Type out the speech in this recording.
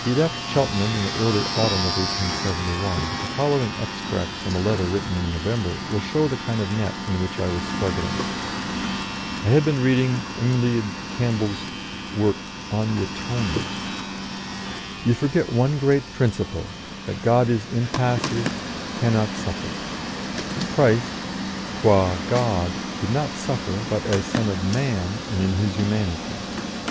He left Cheltenham in the early autumn of 1871, but the following extracts from a letter written in November will show the kind of net in which I was struggling (I had been reading M'Leod Campbell's work "On the Atonement"): "You forget one great principle that God is impassive, cannot suffer. Christ, quâ God, did not suffer, but as Son of Man and in His humanity.